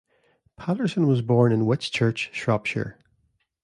Paterson was born in Whitchurch, Shropshire.